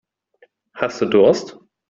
Hast du Durst?